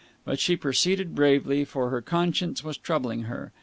But she proceeded bravely, for her conscience was troubling her.